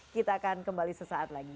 kita akan kembali sesaat lagi